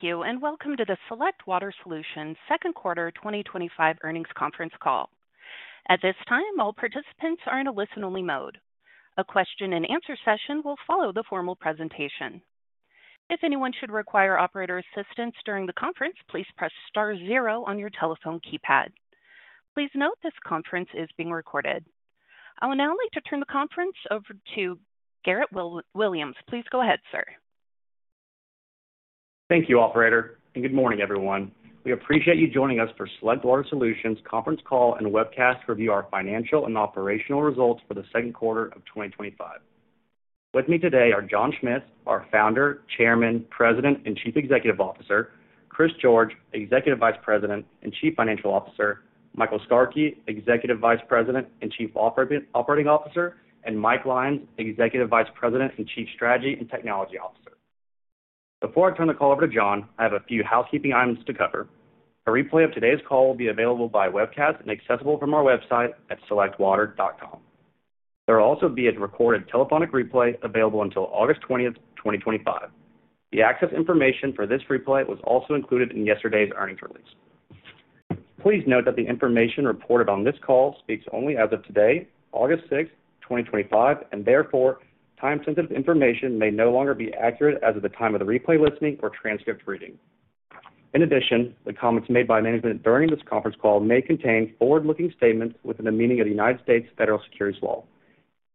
Thank you and welcome to the Select Water Solutions second quarter 2025 earnings conference call. At this time, all participants are in a listen-only mode. A question and answer session will follow the formal presentation. If anyone should require operator assistance during the conference, please press star zero on your telephone keypad. Please note this conference is being recorded. I would now like to turn the conference over to Garrett Williams. Please go ahead, sir. Thank you, operator, and good morning, everyone. We appreciate you joining us for Select Water Solutions' conference call and webcast to review our financial and operational results for the second quarter of 2025. With me today are John Schmitz, our Founder, Chairman, President, and Chief Executive Officer; Chris George, Executive Vice President and Chief Financial Officer; Michael Skarke, Executive Vice President and Chief Operating Officer; and Mike Lyons, Executive Vice President and Chief Strategy and Technology Officer. Before I turn the call over to John, I have a few housekeeping items to cover. A replay of today's call will be available by webcast and accessible from our website at selectwater.com. There will also be a recorded telephonic replay available until August 20th, 2025. The access information for this replay was also included in yesterday's earnings release. Please note that the information reported on this call speaks only as of today, August 6th, 2025, and therefore time-sensitive information may no longer be accurate as of the time of the replay listening or transcript reading. In addition, the comments made by management during this conference call may contain forward-looking statements within the meaning of the U.S. Federal Securities Law.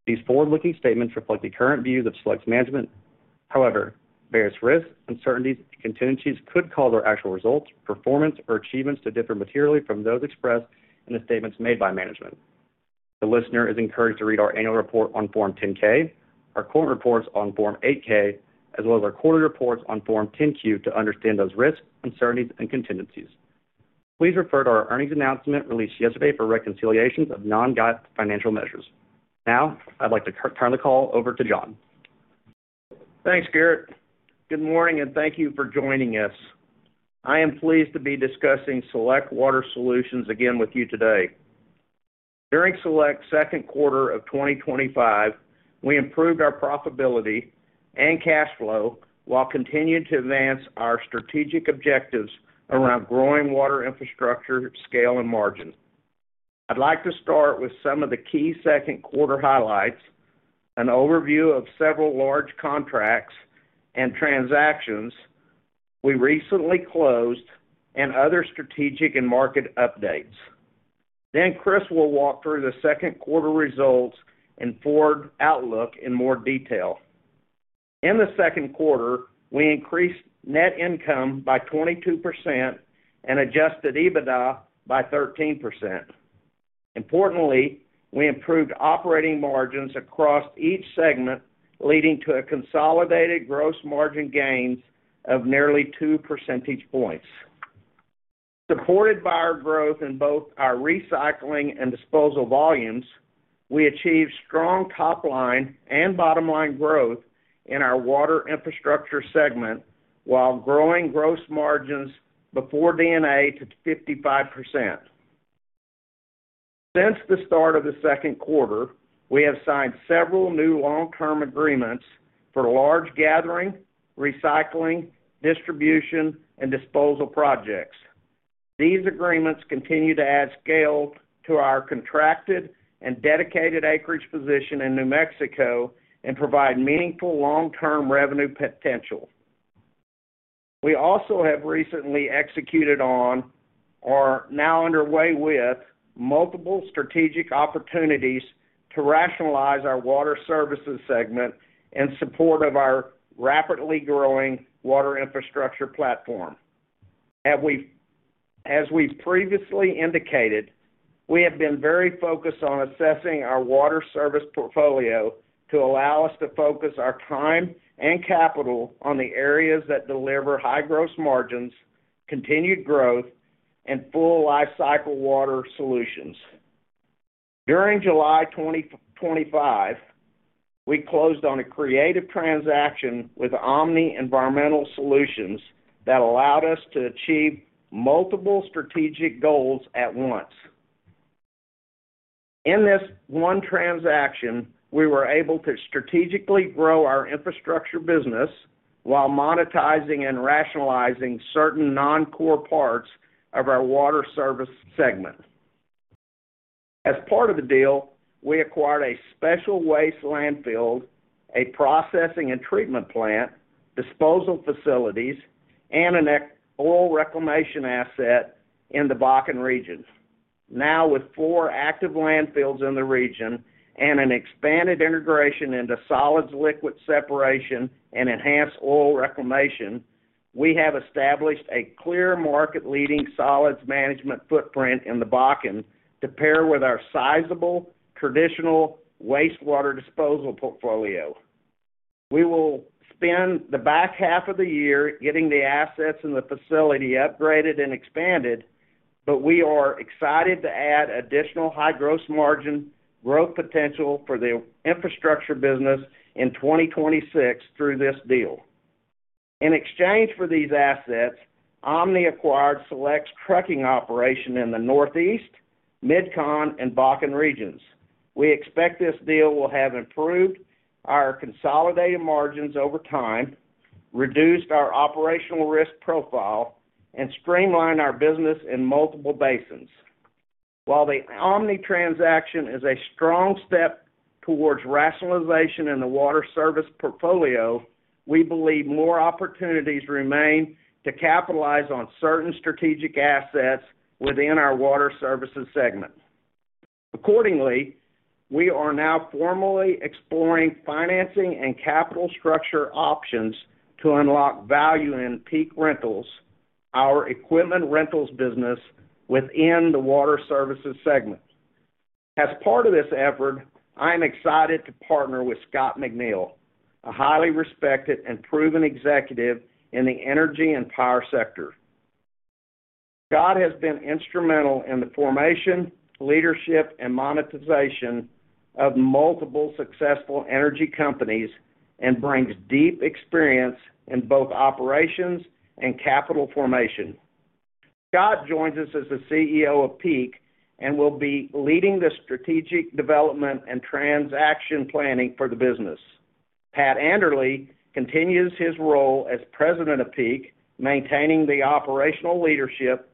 These forward-looking statements reflect the current views of Select management. However, various risks, uncertainties, and contingencies could cause our actual results, performance, or achievements to differ materially from those expressed in the statements made by management. The listener is encouraged to read our annual report on Form 10-K, our current reports on Form 8-K, as well as our quarterly reports on Form 10-Q to understand those risks, uncertainties, and contingencies. Please refer to our earnings announcement released yesterday for reconciliations of non-guided financial measures. Now, I'd like to turn the call over to John. Thanks, Garrett. Good morning, and thank you for joining us. I am pleased to be discussing Select Water Solutions again with you today. During Select's second quarter of 2025, we improved our profitability and cash flow while continuing to advance our strategic objectives around growing water infrastructure, scale, and margins. I'd like to start with some of the key second quarter highlights: an overview of several large contracts and transactions we recently closed, and other strategic and market updates. Chris will walk through the second quarter results and forward outlook in more detail. In the second quarter, we increased net income by 22% and adjusted EBITDA by 13%. Importantly, we improved operating margins across each segment, leading to consolidated gross margin gains of nearly two percentage points. Supported by our growth in both our recycling and disposal volumes, we achieved strong top-line and bottom-line growth in our water infrastructure segment, while growing gross margins before D&A to 55%. Since the start of the second quarter, we have signed several new long-term agreements for large gathering, recycling, distribution, and disposal projects. These agreements continue to add scale to our contracted and dedicated acreage position in New Mexico and provide meaningful long-term revenue potential. We also have recently executed on, or are now underway with, multiple strategic opportunities to rationalize our water services segment in support of our rapidly growing water infrastructure platform. As we previously indicated, we have been very focused on assessing our water services portfolio to allow us to focus our time and capital on the areas that deliver high gross margins, continued growth, and full life cycle water solutions. During July 2025, we closed on a creative transaction with OMNI Environmental Solutions that allowed us to achieve multiple strategic goals at once. In this one transaction, we were able to strategically grow our infrastructure business while monetizing and rationalizing certain non-core parts of our water services segment. As part of the deal, we acquired a special waste landfill, a processing and treatment plant, disposal facilities, and an oil reclamation asset in the Bakken region. Now, with four active landfills in the region and an expanded integration into solids liquid separation and enhanced oil reclamation, we have established a clear market-leading solids management footprint in the Bakken to pair with our sizable traditional wastewater disposal portfolio. We will spend the back half of the year getting the assets in the facility upgraded and expanded, but we are excited to add additional high gross margin growth potential for the infrastructure business in 2026 through this deal. In exchange for these assets, OMNI acquired Select's trucking operation in the Northeast, MidCon, and Bakken regions. We expect this deal will have improved our consolidated margins over time, reduced our operational risk profile, and streamlined our business in multiple basins. While the OMNI transaction is a strong step towards rationalization in the water services portfolio, we believe more opportunities remain to capitalize on certain strategic assets within our water services segment. Accordingly, we are now formally exploring financing and capital structure options to unlock value in Peak Rentals, our equipment rentals business within the water services segment. As part of this effort, I am excited to partner with Scott McNeil, a highly respected and proven executive in the energy and power sector. Scott has been instrumental in the formation, leadership, and monetization of multiple successful energy companies and brings deep experience in both operations and capital formation. Scott joins us as the CEO of Peak and will be leading the strategic development and transaction planning for the business. Pat Anderle continues his role as President of Peak, maintaining the operational leadership,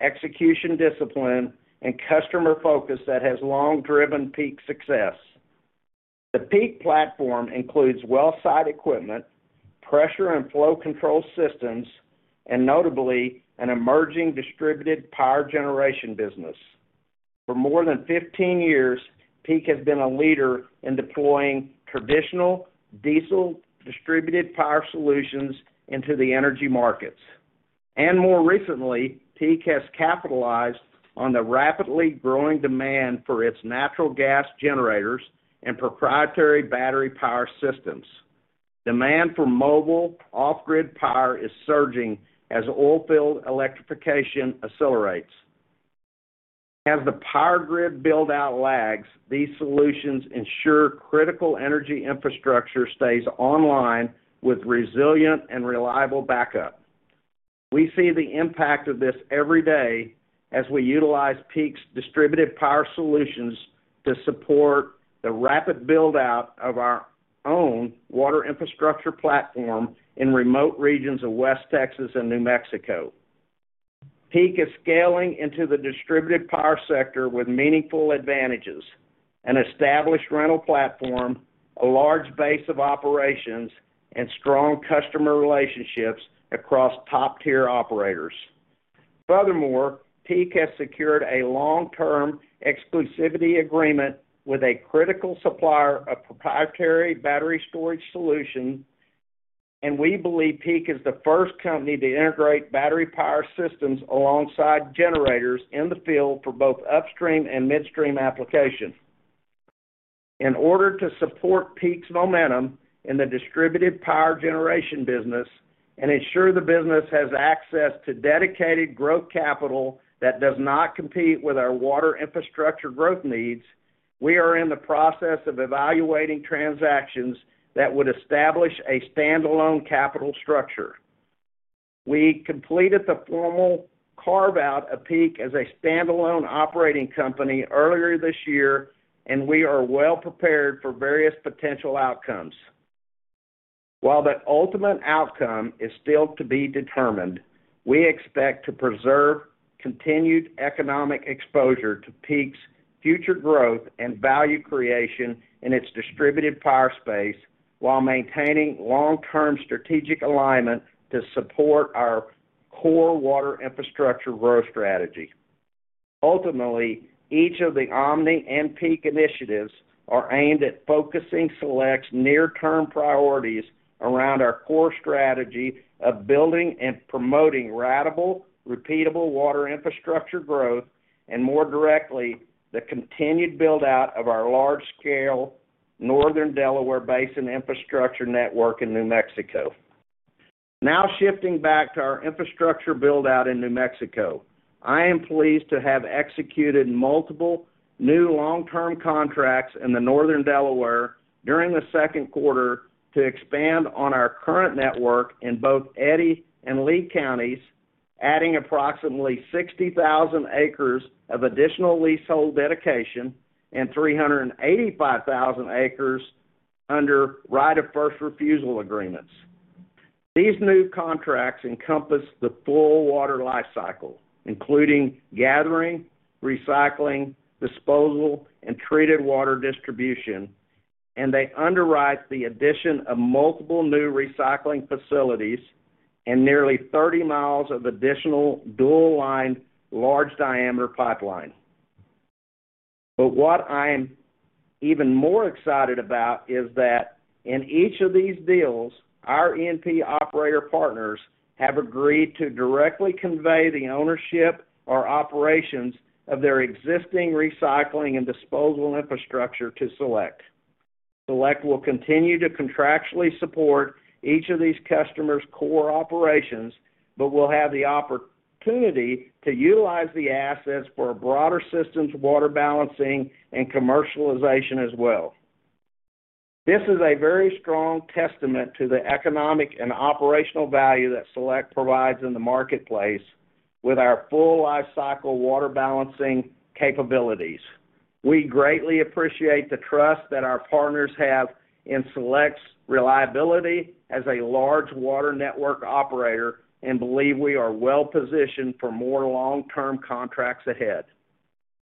execution discipline, and customer focus that has long driven Peak's success. The Peak platform includes well-site equipment, pressure and flow control systems, and notably an emerging distributed power generation business. For more than 15 years, Peak has been a leader in deploying traditional diesel distributed power solutions into the energy markets. More recently, Peak has capitalized on the rapidly growing demand for its natural gas generators and proprietary battery power systems. Demand for mobile off-grid power is surging as oilfield electrification accelerates. As the power grid build-out lags, these solutions ensure critical energy infrastructure stays online with resilient and reliable backup. We see the impact of this every day as we utilize Peak's distributed power solutions to support the rapid build-out of our own water infrastructure platform in remote regions of West Texas and New Mexico. Peak is scaling into the distributed power sector with meaningful advantages: an established rental platform, a large base of operations, and strong customer relationships across top-tier operators. Furthermore, Peak has secured a long-term exclusivity agreement with a critical supplier of proprietary battery storage solutions, and we believe Peak is the first company to integrate battery power systems alongside generators in the field for both upstream and midstream applications. In order to support Peak's momentum in the distributed power generation business and ensure the business has access to dedicated growth capital that does not compete with our water infrastructure growth needs, we are in the process of evaluating transactions that would establish a standalone capital structure. We completed the formal carve-out of Peak as a standalone operating company earlier this year, and we are well prepared for various potential outcomes. While the ultimate outcome is still to be determined, we expect to preserve continued economic exposure to Peak's future growth and value creation in its distributed power space while maintaining long-term strategic alignment to support our core water infrastructure growth strategy. Ultimately, each of the OMNI and Peak initiatives are aimed at focusing Select's near-term priorities around our core strategy of building and promoting ratable, repeatable water infrastructure growth, and more directly, the continued build-out of our large-scale Northern Delaware Basin infrastructure network in New Mexico. Now shifting back to our infrastructure build-out in New Mexico, I am pleased to have executed multiple new long-term contracts in the Northern Delaware during the second quarter to expand on our current network in both Eddy and Lea counties, adding approximately 60,000 acres of additional leasehold dedication and 385,000 acres under right of first refusal agreements. These new contracts encompass the full water lifecycle, including gathering, recycling, disposal, and treated water distribution, and they underwrite the addition of multiple new recycling facilities and nearly 30 mi of additional dual-lined large diameter pipeline. What I am even more excited about is that in each of these deals, our E&P operator partners have agreed to directly convey the ownership or operations of their existing recycling and disposal infrastructure to Select. Select will continue to contractually support each of these customers' core operations, but will have the opportunity to utilize the assets for a broader system's water balancing and commercialization as well. This is a very strong testament to the economic and operational value that Select provides in the marketplace with our full life cycle water balancing capabilities. We greatly appreciate the trust that our partners have in Select's reliability as a large water network operator and believe we are well positioned for more long-term contracts ahead.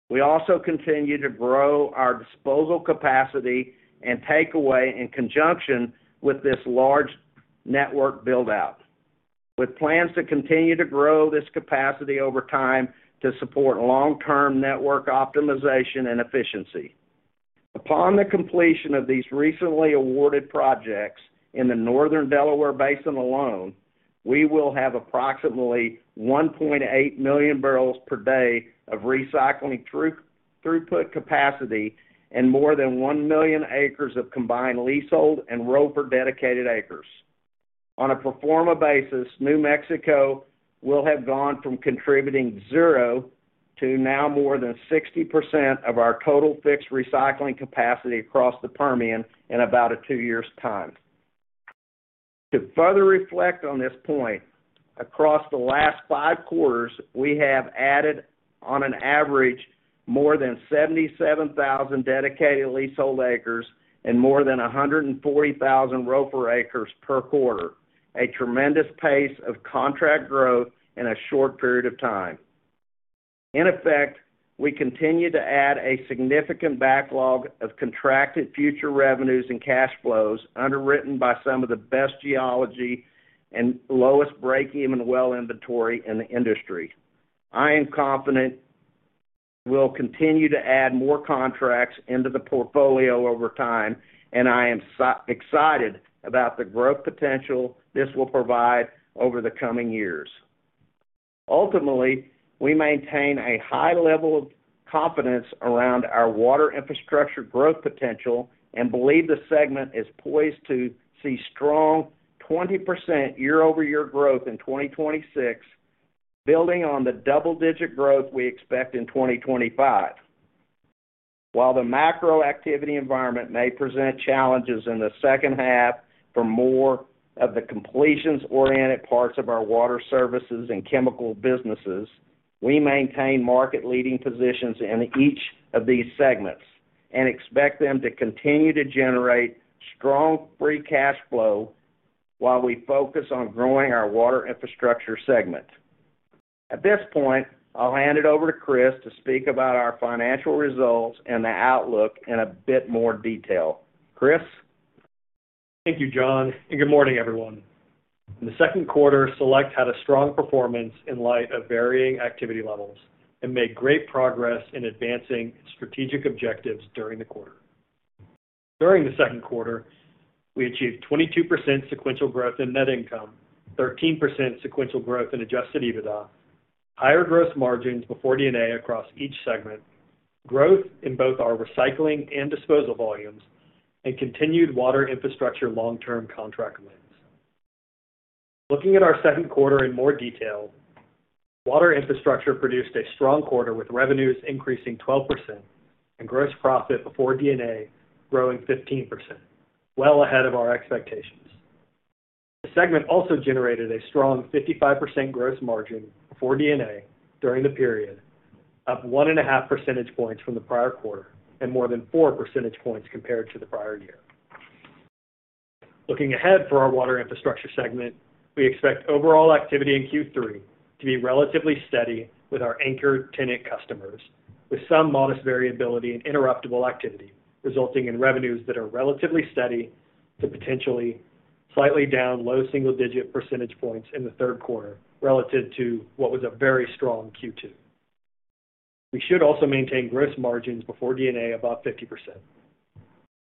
We also continue to grow our disposal capacity and takeaway in conjunction with this large network build-out, with plans to continue to grow this capacity over time to support long-term network optimization and efficiency. Upon the completion of these recently awarded projects in the Northern Delaware Basin alone, we will have approximately 1.8 million barrels per day of recycling throughput capacity and more than 1 million acres of combined leasehold and ROW for dedicated acres. On a pro forma basis, New Mexico will have gone from contributing zero to now more than 60% of our total fixed recycling capacity across the Permian in about a two-year time. To further reflect on this point, across the last five quarters, we have added on average more than 77,000 dedicated leasehold acres and more than 140,000 ROW per acre per quarter, a tremendous pace of contract growth in a short period of time. In effect, we continue to add a significant backlog of contracted future revenues and cash flows underwritten by some of the best geology and lowest break-even well inventory in the industry. I am confident we'll continue to add more contracts into the portfolio over time, and I am excited about the growth potential this will provide over the coming years. Ultimately, we maintain a high level of confidence around our water infrastructure growth potential and believe the segment is poised to see strong 20% year-over-year growth in 2026, building on the double-digit growth we expect in 2025. While the macro activity environment may present challenges in the second half for more of the completions-oriented parts of our water services and chemical businesses, we maintain market-leading positions in each of these segments and expect them to continue to generate strong free cash flow while we focus on growing our water infrastructure segment. At this point, I'll hand it over to Chris to speak about our financial results and the outlook in a bit more detail. Chris? Thank you, John, and good morning, everyone. In the second quarter, Select had a strong performance in light of varying activity levels and made great progress in advancing strategic objectives during the quarter. During the second quarter, we achieved 22% sequential growth in net income, 13% sequential growth in adjusted EBITDA, higher gross margins before D&A across each segment, growth in both our recycling and disposal volumes, and continued water infrastructure long-term contract lens. Looking at our second quarter in more detail, water infrastructure produced a strong quarter with revenues increasing 12% and gross profit before D&A growing 15%, well ahead of our expectations. The segment also generated a strong 55% gross margin before D&A during the period, up 1.5 percentage points from the prior quarter and more than 4 percentage points compared to the prior year. Looking ahead for our water infrastructure segment, we expect overall activity in Q3 to be relatively steady with our anchor tenant customers, with some modest variability in interruptible activity resulting in revenues that are relatively steady to potentially slightly down low single-digit percentage points in the third quarter relative to what was a very strong Q2. We should also maintain gross margins before D&A above 50%.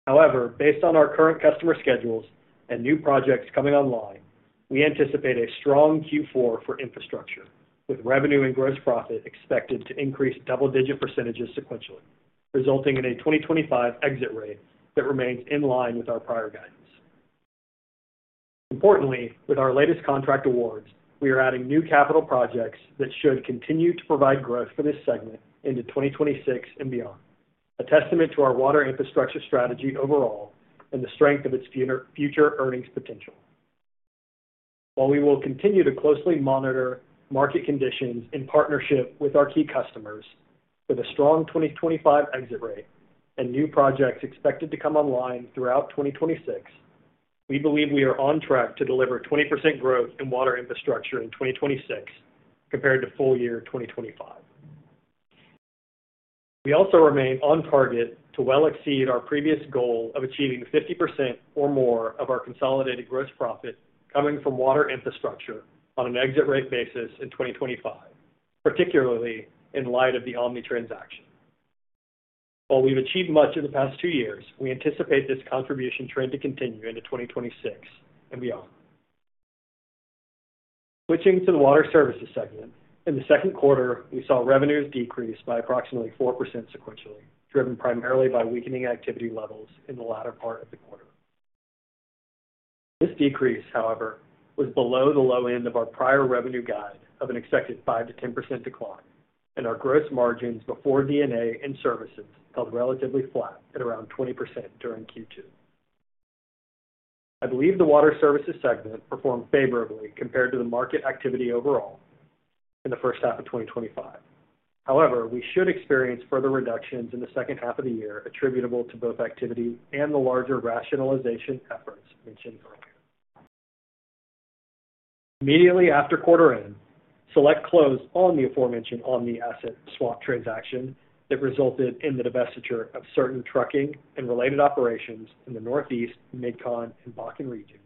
However, based on our current customer schedules and new projects coming online, we anticipate a strong Q4 for infrastructure, with revenue and gross profit expected to increase double-digit percentages sequentially, resulting in a 2025 exit rate that remains in line with our prior guidance. Importantly, with our latest contract awards, we are adding new capital projects that should continue to provide growth for this segment into 2026 and beyond, a testament to our water infrastructure strategy overall and the strength of its future earnings potential. While we will continue to closely monitor market conditions in partnership with our key customers, with a strong 2025 exit rate and new projects expected to come online throughout 2026, we believe we are on track to deliver 20% growth in water infrastructure in 2026 compared to full-year 2025. We also remain on target to well exceed our previous goal of achieving 50% or more of our consolidated gross profit coming from water infrastructure on an exit rate basis in 2025, particularly in light of the OMNI transaction. While we've achieved much in the past two years, we anticipate this contribution trend to continue into 2026 and beyond. Switching to the water services segment, in the second quarter, we saw revenues decrease by approximately 4% sequentially, driven primarily by weakening activity levels in the latter part of the quarter. This decrease, however, was below the low end of our prior revenue guide of an expected 5%-10% decline, and our gross margins before D&A and services held relatively flat at around 20% during Q2. I believe the water services segment performed favorably compared to the market activity overall in the first half of 2025. However, we should experience further reductions in the second half of the year attributable to both activity and the larger rationalization efforts mentioned earlier. Immediately after quarter end, Select closed on the aforementioned OMNI asset swap transaction that resulted in the divestiture of certain trucking and related operations in the Northeast, MidCon, and Bakken regions,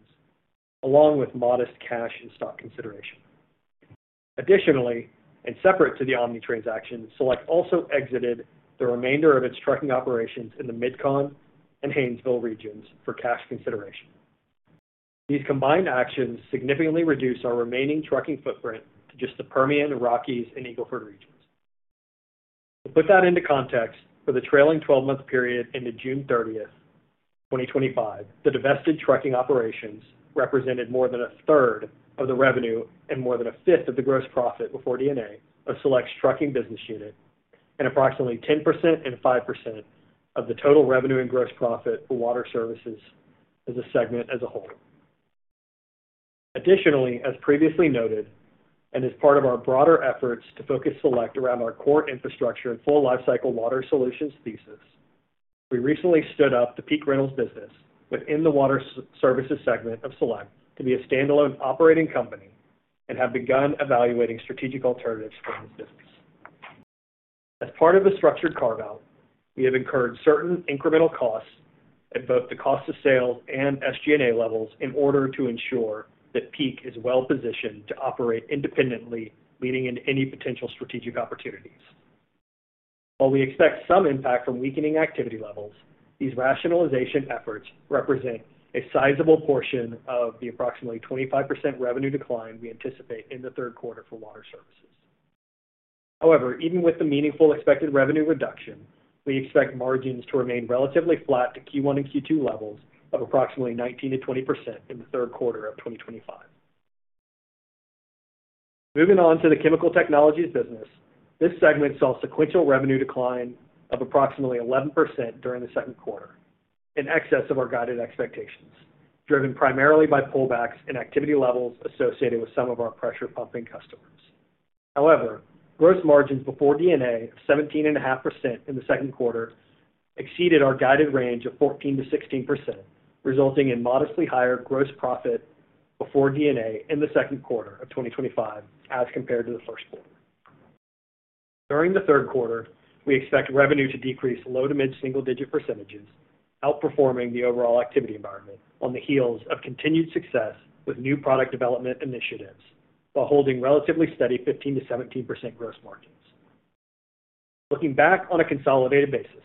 along with modest cash and stock consideration. Additionally, and separate to the OMNI transaction, Select also exited the remainder of its trucking operations in the MidCon and Hainsville regions for cash consideration. These combined actions significantly reduced our remaining trucking footprint to just the Permian, Rockies, and Eagle Ford regions. To put that into context, for the trailing 12-month period into June 30, 2025, the divested trucking operations represented more than 1/3 of the revenue and more than 1/5 of the gross profit before D&A of Select's trucking business unit, and approximately 10% and 5% of the total revenue and gross profit for water services as a segment as a whole. Additionally, as previously noted, and as part of our broader efforts to focus Select around our core infrastructure and full lifecycle water solutions thesis, we recently stood up the Peak Rentals business within the water services segment of Select to be a standalone operating company and have begun evaluating strategic alternatives for this business. As part of a structured carve-out, we have incurred certain incremental costs at both the cost of sales and SG&A levels in order to ensure that Peak is well positioned to operate independently, leaning into any potential strategic opportunities. While we expect some impact from weakening activity levels, these rationalization efforts represent a sizable portion of the approximately 25% revenue decline we anticipate in the third quarter for water services. However, even with the meaningful expected revenue reduction, we expect margins to remain relatively flat to Q1 and Q2 levels of approximately 19%-20% in the third quarter of 2025. Moving on to the chemical technologies business, this segment saw a sequential revenue decline of approximately 11% during the second quarter, in excess of our guided expectations, driven primarily by pullbacks in activity levels associated with some of our pressure pumping customers. However, gross margins before D&A of 17.5% in the second quarter exceeded our guided range of 14%-16%, resulting in modestly higher gross profit before D&A in the second quarter of 2025 as compared to the first quarter. During the third quarter, we expect revenue to decrease low to mid-single-digit percentages, outperforming the overall activity environment on the heels of continued success with new product development initiatives, while holding relatively steady 15%-17% gross margins. Looking back on a consolidated basis,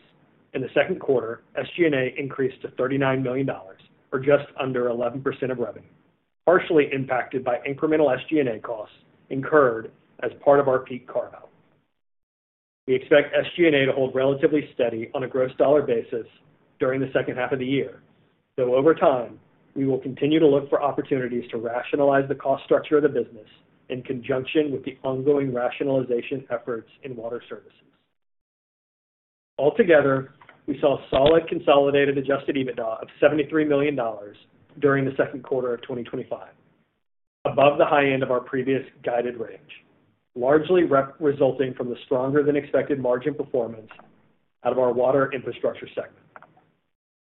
in the second quarter, SG&A increased to $39 million, or just under 11% of revenue, partially impacted by incremental SG&A costs incurred as part of our Peak carve-out. We expect SG&A to hold relatively steady on a gross dollar basis during the second half of the year, though over time, we will continue to look for opportunities to rationalize the cost structure of the business in conjunction with the ongoing rationalization efforts in water services. Altogether, we saw a solid consolidated adjusted EBITDA of $73 million during the second quarter of 2025, above the high end of our previous guided range, largely resulting from the stronger than expected margin performance out of our water infrastructure segment.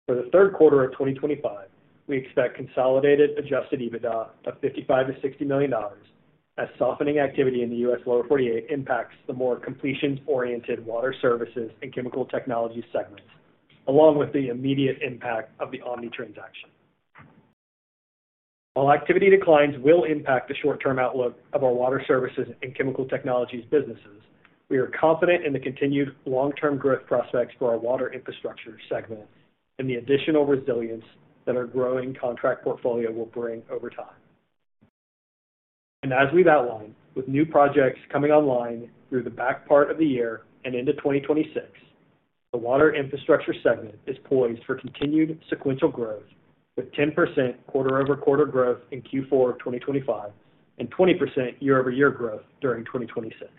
For the third quarter of 2025, we expect consolidated adjusted EBITDA of $55 million-$60 million as softening activity in the U.S. lower 48 impacts the more completions-oriented water services and chemical technologies segment, along with the immediate impact of the OMNI transaction. While activity declines will impact the short-term outlook of our water services and chemical technologies businesses, we are confident in the continued long-term growth prospects for our water infrastructure segment and the additional resilience that our growing contract portfolio will bring over time. As we've outlined, with new projects coming online through the back part of the year and into 2026, the water infrastructure segment is poised for continued sequential growth, with 10% quarter-over-quarter growth in Q4 of 2025 and 20% year-over-year growth during 2026.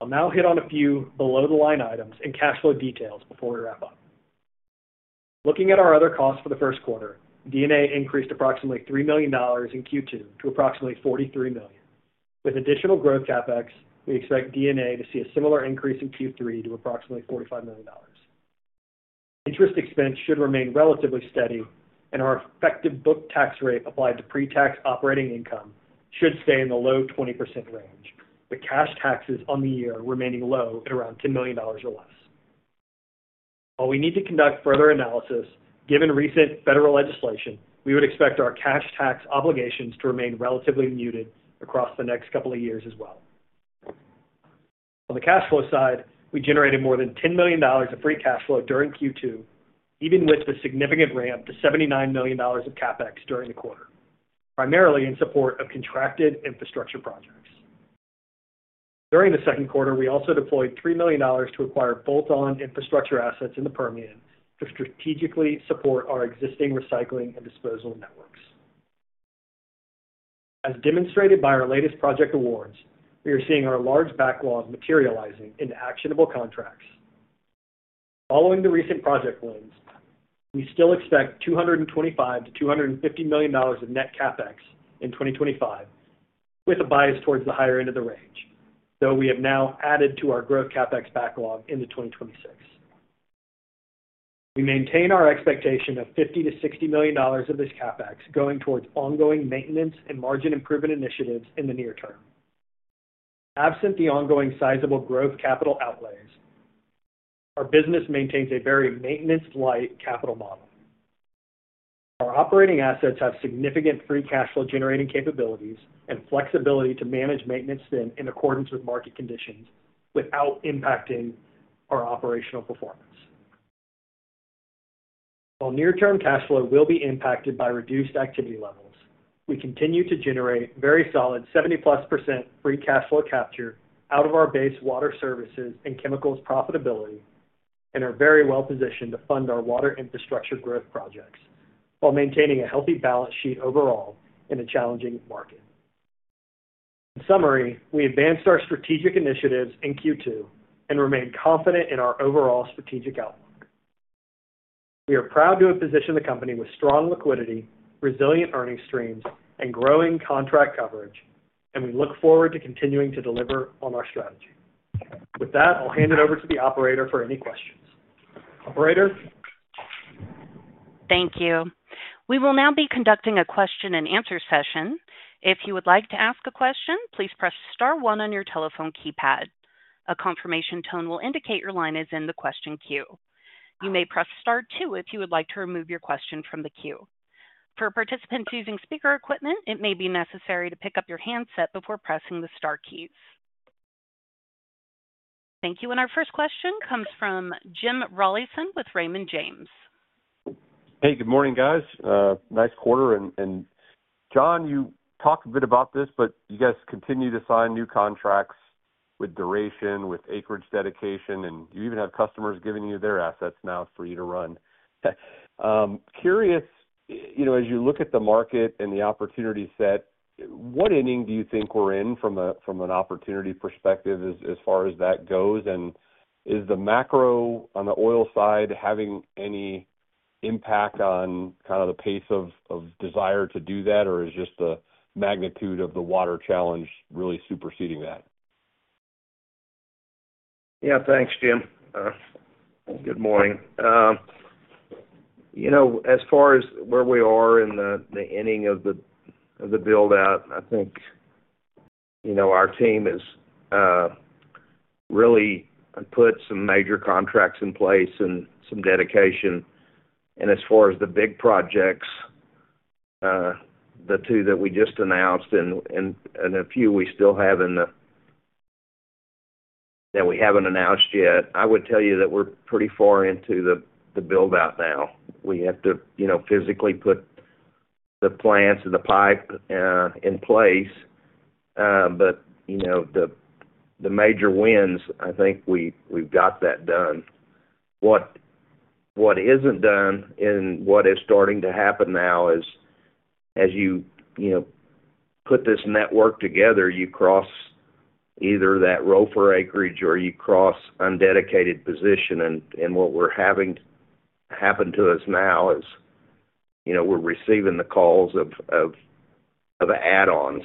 I'll now hit on a few below-the-line items and cash flow details before we wrap up. Looking at our other costs for the first quarter, D&A increased approximately $3 million in Q2 to approximately $43 million. With additional growth CapEx, we expect D&A to see a similar increase in Q3 to approximately $45 million. Interest expense should remain relatively steady, and our effective book tax rate applied to pre-tax operating income should stay in the low 20% range, with cash taxes on the year remaining low at around $10 million or less. While we need to conduct further analysis, given recent federal legislation, we would expect our cash tax obligations to remain relatively muted across the next couple of years as well. On the cash flow side, we generated more than $10 million of free cash flow during Q2, even with the significant ramp to $79 million of CapEx during the quarter, primarily in support of contracted infrastructure projects. During the second quarter, we also deployed $3 million to acquire bolt-on infrastructure assets in the Permian to strategically support our existing recycling and disposal networks. As demonstrated by our latest project awards, we are seeing our large backlog materializing into actionable contracts. Following the recent project wins, we still expect $225 million-$250 million of net CapEx in 2025, with a bias towards the higher end of the range, though we have now added to our growth CapEx backlog into 2026. We maintain our expectation of $50 million-$60 million of this CapEx going towards ongoing maintenance and margin improvement initiatives in the near term. Absent the ongoing sizable growth capital outlays, our business maintains a very maintenance-light capital model. Our operating assets have significant free cash flow generating capabilities and flexibility to manage maintenance in accordance with market conditions without impacting our operational performance. While near-term cash flow will be impacted by reduced activity levels, we continue to generate very solid 70%+ free cash flow capture out of our base water services and chemicals profitability and are very well positioned to fund our water infrastructure growth projects while maintaining a healthy balance sheet overall in a challenging market. In summary, we advanced our strategic initiatives in Q2 and remain confident in our overall strategic outlook. We are proud to have positioned the company with strong liquidity, resilient earnings streams, and growing contract coverage, and we look forward to continuing to deliver on our strategy. With that, I'll hand it over to the operator for any questions. Operator? Thank you. We will now be conducting a question and answer session. If you would like to ask a question, please press star one on your telephone keypad. A confirmation tone will indicate your line is in the question queue. You may press star two if you would like to remove your question from the queue. For participants using speaker equipment, it may be necessary to pick up your handset before pressing the star keys. Thank you. Our first question comes from Jim Rollyson with Raymond James. Hey, good morning, guys. Nice quarter. John, you talked a bit about this, but you guys continue to sign new contracts with duration, with acreage dedication, and you even have customers giving you their assets now for you to run. Curious, as you look at the market and the opportunity set, what inning do you think we're in from an opportunity perspective as far as that goes? Is the macro on the oil side having any impact on kind of the pace of desire to do that, or is just the magnitude of the water challenge really superseding that? Yeah, thanks, Jim. Good morning. As far as where we are in the inning of the build-out, I think our team has really put some major contracts in place and some dedication. As far as the big projects, the two that we just announced and a few we still have that we haven't announced yet, I would tell you that we're pretty far into the build-out now. We have to physically put the plants and the pipe in place. The major wins, I think we've got that done. What isn't done and what is starting to happen now is, as you put this network together, you cross either that row for acreage or you cross undedicated position. What we're having happen to us now is we're receiving the calls of add-ons,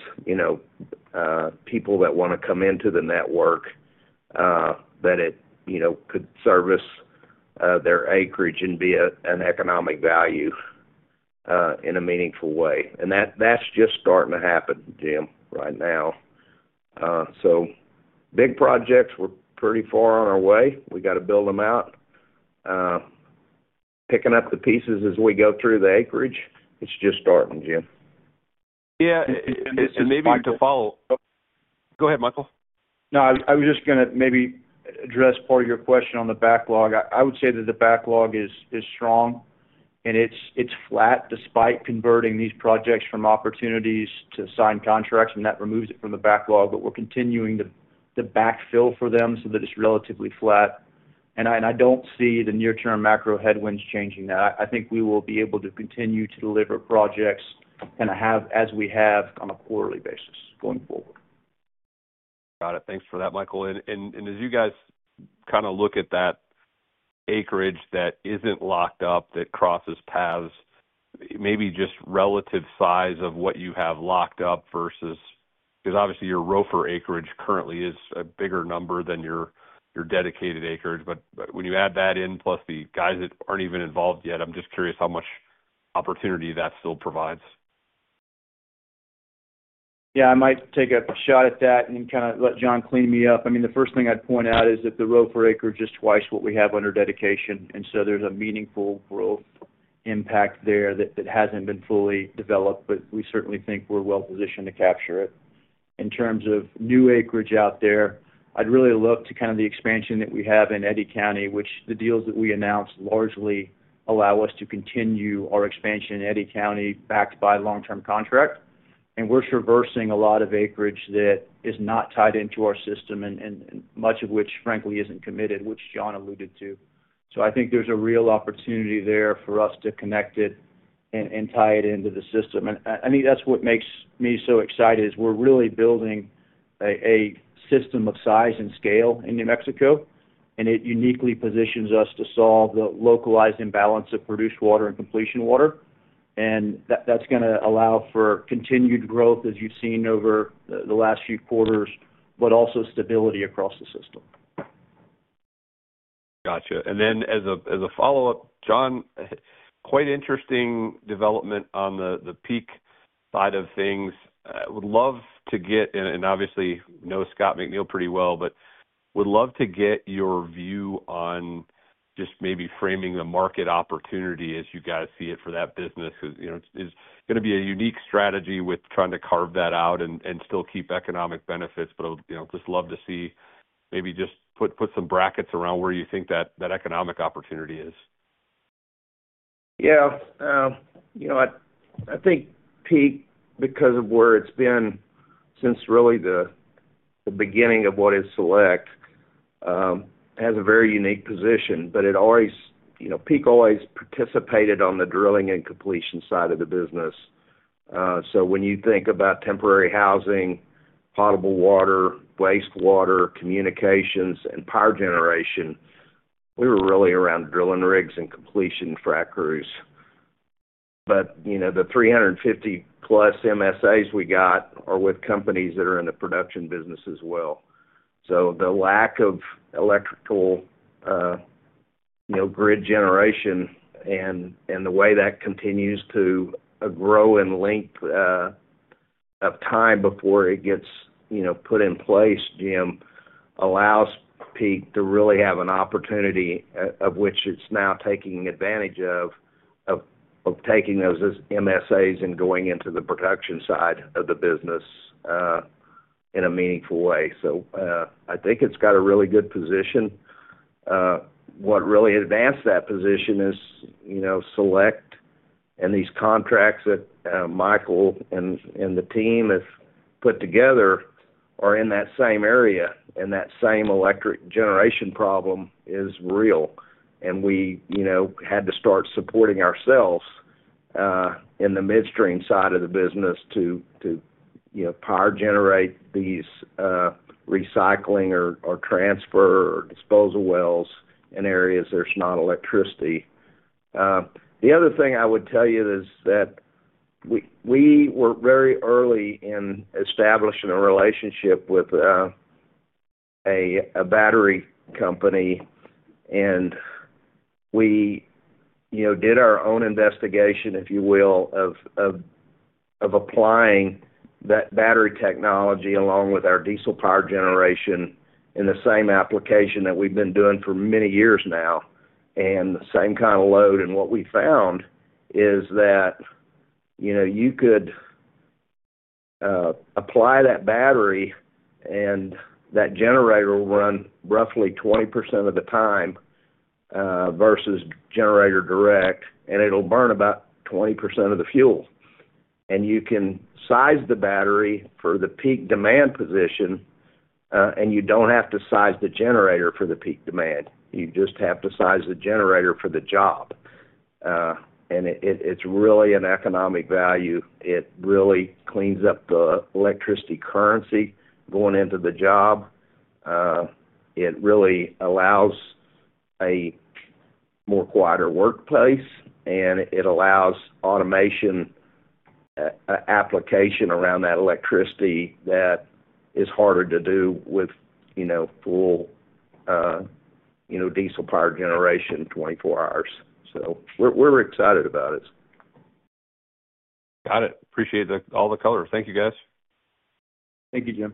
people that want to come into the network, that it could service their acreage and be an economic value in a meaningful way. That's just starting to happen, Jim. Right now, big projects, we're pretty far on our way. We got to build them out. Picking up the pieces as we go through the acreage, it's just starting, Jim. Yeah, maybe to follow, go ahead, Michael. I was just going to maybe address part of your question on the backlog. I would say that the backlog is strong and it's flat despite converting these projects from opportunities to signed contracts, and that removes it from the backlog. We're continuing to backfill for them so that it's relatively flat. I don't see the near-term macro headwinds changing that. I think we will be able to continue to deliver projects kind of as we have on a quarterly basis going forward. Got it. Thanks for that, Michael. As you guys kind of look at that acreage that isn't locked up, that crosses paths, maybe just relative size of what you have locked up versus, because obviously your row for acreage currently is a bigger number than your dedicated acreage. When you add that in, plus the guys that aren't even involved yet, I'm just curious how much opportunity that still provides. Yeah, I might take a shot at that and kind of let John clean me up. The first thing I'd point out is that the row for acreage is twice what we have under dedication, and there's a meaningful growth impact there that hasn't been fully developed, but we certainly think we're well positioned to capture it. In terms of new acreage out there, I'd really look to the expansion that we have in Eddy County, which the deals that we announced largely allow us to continue our expansion in Eddy County backed by long-term contracts. We're traversing a lot of acreage that is not tied into our system, and much of which, frankly, isn't committed, which John alluded to. I think there's a real opportunity there for us to connect it and tie it into the system. I think that's what makes me so excited, we're really building a system of size and scale in New Mexico, and it uniquely positions us to solve the localized imbalance of produced water and completion water. That's going to allow for continued growth, as you've seen over the last few quarters, but also stability across the system. Gotcha. As a follow-up, John, quite interesting development on the Peak side of things. I would love to get, and obviously know Scott McNeil pretty well, but would love to get your view on just maybe framing the market opportunity as you guys see it for that business. You know, it's going to be a unique strategy with trying to carve that out and still keep economic benefits. I'd just love to see maybe just put some brackets around where you think that economic opportunity is. Yeah. I think Peak, because of where it's been since really the beginning of what is Select, has a very unique position. It always, you know, Peak always participated on the drilling and completion side of the business. When you think about temporary housing, potable water, wastewater, communications, and power generation, we were really around drilling rigs and completion frac crews. The 350+ MSAs we got are with companies that are in the production business as well. The lack of electrical grid generation and the way that continues to grow and the length of time before it gets put in place, Jim, allows Peak to really have an opportunity, which it's now taking advantage of, of taking those MSAs and going into the production side of the business in a meaningful way. I think it's got a really good position. What really advanced that position is Select and these contracts that Michael and the team have put together are in that same area, and that same electric generation problem is real. We had to start supporting ourselves in the midstream side of the business to power generate these recycling or transfer or disposal wells in areas there's not electricity. The other thing I would tell you is that we were very early in establishing a relationship with a battery company, and we did our own investigation, if you will, of applying that battery technology along with our diesel power generation in the same application that we've been doing for many years now and the same kind of load. What we found is that you could apply that battery and that generator will run roughly 20% of the time versus generator direct, and it'll burn about 20% of the fuel. You can size the battery for the peak demand position, and you don't have to size the generator for the peak demand. You just have to size the generator for the job. It's really an economic value. It really cleans up the electricity currency going into the job. It really allows a more quieter workplace, and it allows automation application around that electricity that is harder to do with full diesel power generation 24 hours. We're excited about it. Got it. Appreciate all the color. Thank you, guys. Thank you, Jim.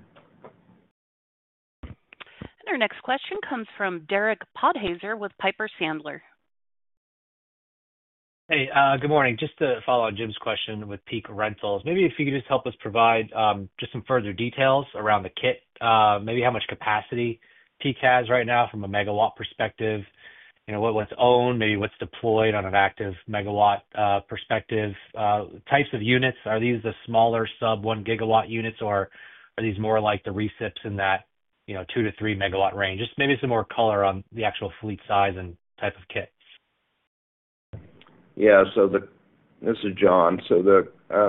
Our next question comes from Derek Podhaizer with Piper Sandler. Hey, good morning. Just to follow on Jim's question with Peak Rentals, maybe if you could just help us provide just some further details around the kit, maybe how much capacity Peak has right now from a megawatt perspective, you know, what's owned, maybe what's deployed on an active megawatt perspective, types of units. Are these the smaller sub 1 GW units, or are these more like the resips in that, you know, 2 MW-3 MW range? Just maybe some more color on the actual fleet size and type of kit. Yeah, this is John. The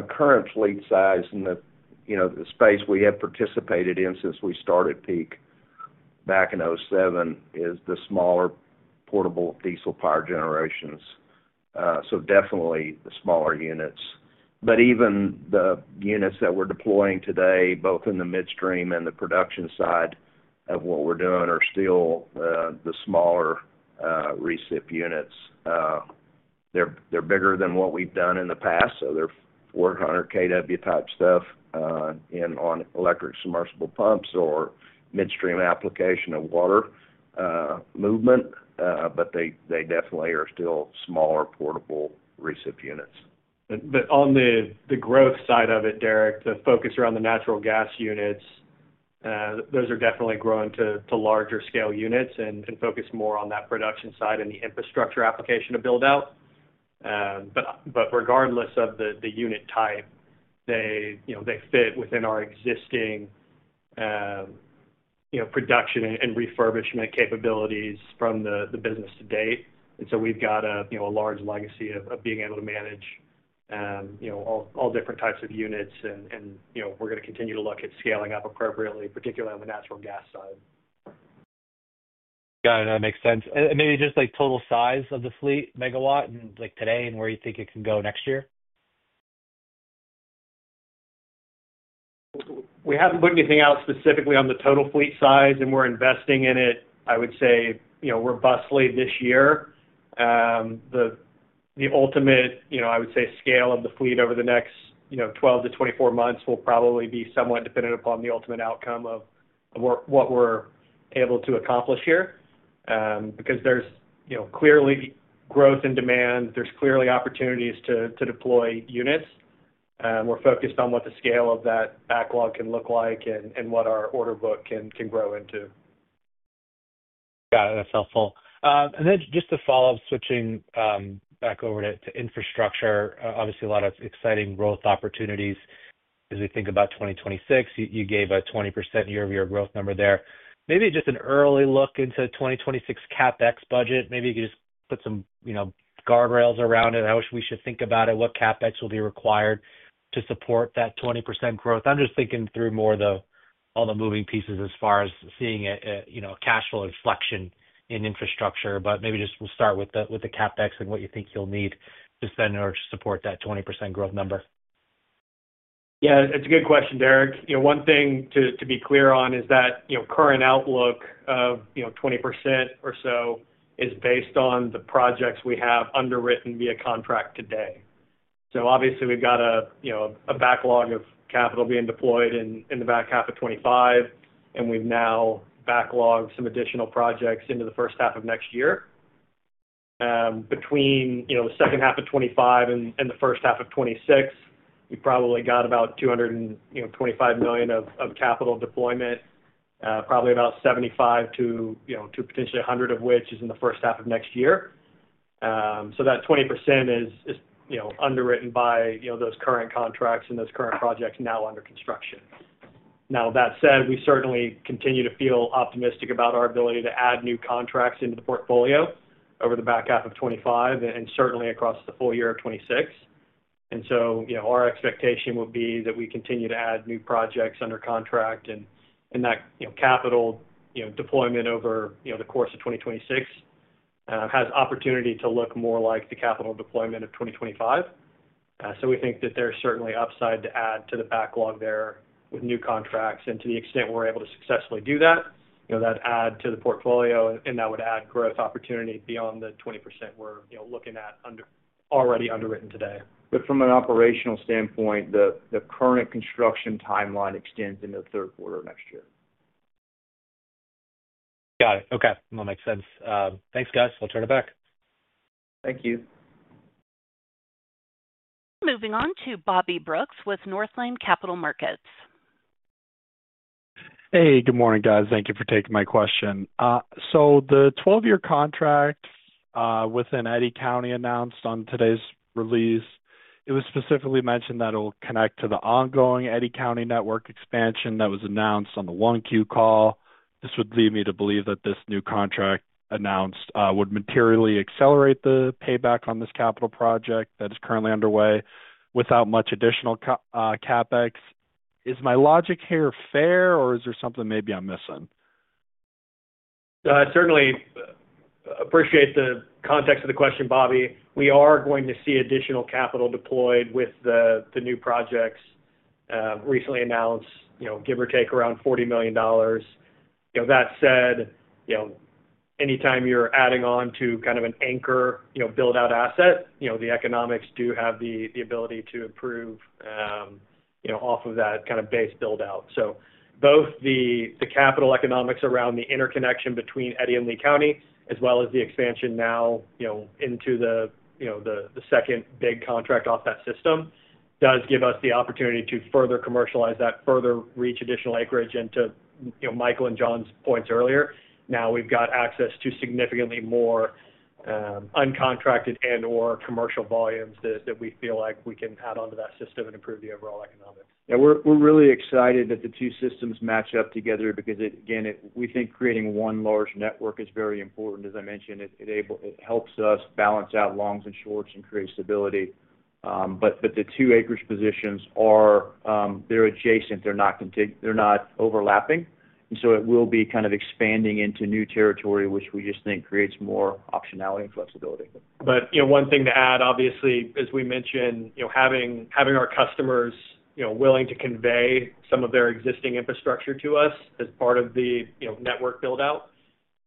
current fleet size and the space we have participated in since we started Peak back in 2007 is the smaller portable diesel power generations. Definitely the smaller units. Even the units that we're deploying today, both in the midstream and the production side of what we're doing, are still the smaller resip units. They're bigger than what we've done in the past. They're 400 kW type stuff in on electric submersible pumps or midstream application of water movement. They definitely are still smaller portable resip units. On the growth side of it, Derek, the focus around the natural gas units, those are definitely growing to larger scale units and focus more on that production side and the infrastructure application to build out. Regardless of the unit type, they fit within our existing production and refurbishment capabilities from the business to date. We've got a large legacy of being able to manage all different types of units, and we're going to continue to look at scaling up appropriately, particularly on the natural gas side. Got it. That makes sense. Maybe just like total size of the fleet megawatt and like today and where you think it can go next year? We haven't put anything out specifically on the total fleet size, and we're investing in it, I would say, robustly this year. The ultimate, I would say, scale of the fleet over the next 12 months-24 months will probably be somewhat dependent upon the ultimate outcome of what we're able to accomplish here. Because there's clearly growth in demand, there's clearly opportunities to deploy units. We're focused on what the scale of that backlog can look like and what our order book can grow into. Got it. That's helpful. Just to follow up, switching back over to infrastructure, obviously a lot of exciting growth opportunities as we think about 2026. You gave a 20% year-over-year growth number there. Maybe just an early look into 2026 CapEx budget. Maybe you could just put some, you know, guardrails around it. How we should think about it, what CapEx will be required to support that 20% growth. I'm just thinking through more of the all the moving pieces as far as seeing a, you know, a cash flow inflection in infrastructure. Maybe just we'll start with the CapEx and what you think you'll need to spend in order to support that 20% growth number. Yeah, it's a good question, Derek. One thing to be clear on is that current outlook of 20% or so is based on the projects we have underwritten via contract today. Obviously, we've got a backlog of capital being deployed in the back half of 2025, and we've now backlogged some additional projects into the first half of next year. Between the second half of 2025 and the first half of 2026, we've probably got about $225 million of capital deployment, probably about $75 million to potentially $100 million of which is in the first half of next year. That 20% is underwritten by those current contracts and those current projects now under construction. That said, we certainly continue to feel optimistic about our ability to add new contracts into the portfolio over the back half of 2025 and certainly across the full year of 2026. Our expectation would be that we continue to add new projects under contract and that capital deployment over the course of 2026 has opportunity to look more like the capital deployment of 2025. We think that there's certainly upside to add to the backlog there with new contracts. To the extent we're able to successfully do that, that would add to the portfolio and that would add growth opportunity beyond the 20% we're looking at under already underwritten today. From an operational standpoint, the current construction timeline extends into the third quarter of next year. Got it. Okay, that makes sense. Thanks, guys. I'll turn it back. Thank you. Moving on to Bobby Brooks with Northland Capital Markets. Hey, good morning, guys. Thank you for taking my question. The 12-year contract within Eddy County announced on today's release was specifically mentioned that it'll connect to the ongoing Eddy County network expansion that was announced on the 1Q call. This would lead me to believe that this new contract announced would materially accelerate the payback on this capital project that is currently underway without much additional CapEx. Is my logic here fair, or is there something maybe I'm missing? I certainly appreciate the context of the question, Bobby. We are going to see additional capital deployed with the new projects, recently announced, you know, give or take around $40 million. That said, anytime you're adding on to kind of an anchor, you know, build-out asset, the economics do have the ability to improve off of that kind of base build-out. Both the capital economics around the interconnection between Eddy and Lea County, as well as the expansion now into the second big contract off that system, does give us the opportunity to further commercialize that, further reach additional acreage. To Michael and John's points earlier, now we've got access to significantly more uncontracted and/or commercial volumes that we feel like we can add onto that system and improve the overall economics. Yeah, we're really excited that the two systems match up together because, again, we think creating one large network is very important. As I mentioned, it helps us balance out longs and shorts and create stability. The two acreage positions are adjacent, they're not overlapping, and it will be kind of expanding into new territory, which we just think creates more optionality and flexibility. One thing to add, obviously, as we mentioned, having our customers willing to convey some of their existing infrastructure to us as part of the network build-out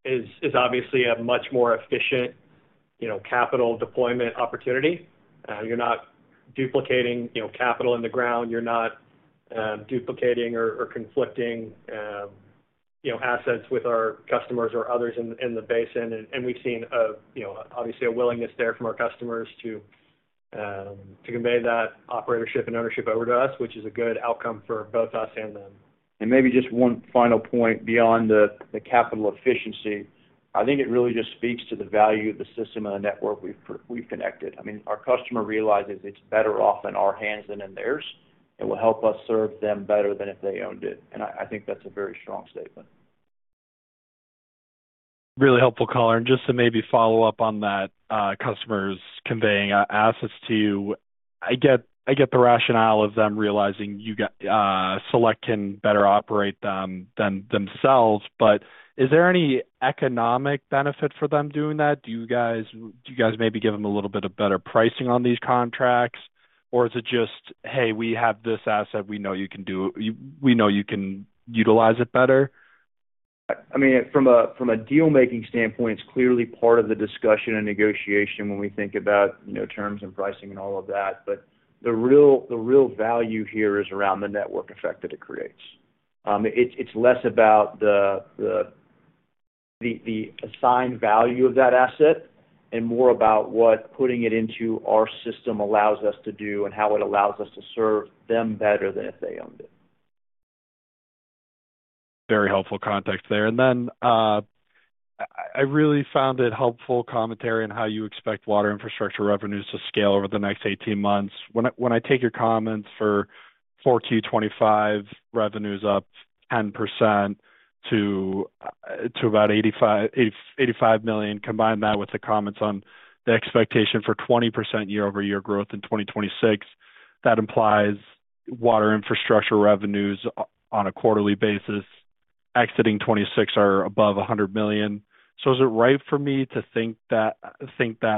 is obviously a much more efficient capital deployment opportunity. You're not duplicating capital in the ground. You're not duplicating or conflicting assets with our customers or others in the basin. We've seen, obviously, a willingness there from our customers to convey that operatorship and ownership over to us, which is a good outcome for both us and them. Maybe just one final point beyond the capital efficiency. I think it really just speaks to the value of the system and the network we've connected. I mean, our customer realizes it's better off in our hands than in theirs. It will help us serve them better than if they owned it. I think that's a very strong statement. Really helpful color. Just to maybe follow up on that, customers conveying assets to you, I get the rationale of them realizing you got, Select can better operate them than themselves. Is there any economic benefit for them doing that? Do you guys maybe give them a little bit of better pricing on these contracts? Is it just, hey, we have this asset, we know you can do it, we know you can utilize it better? From a deal-making standpoint, it's clearly part of the discussion and negotiation when we think about terms and pricing and all of that. The real value here is around the network effect that it creates. It's less about the assigned value of that asset and more about what putting it into our system allows us to do and how it allows us to serve them better than if they owned it. Very helpful context there. I really found it helpful commentary on how you expect water infrastructure revenues to scale over the next 18 months. When I take your comments for 4Q 2025 revenues up 10% to about $85 million, combine that with the comments on the expectation for 20% year-over-year growth in 2026, that implies water infrastructure revenues on a quarterly basis exiting 2026 are above $100 million. Is it right for me to think that,